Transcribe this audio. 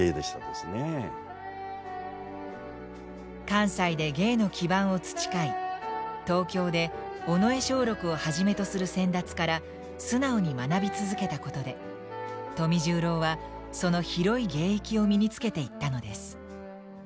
関西で芸の基盤を培い東京で尾上松緑をはじめとする先達から素直に学び続けたことで富十郎はその広い芸域を身につけていったのです。